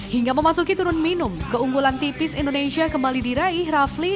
hingga memasuki turun minum keunggulan tipis indonesia kembali diraih rafli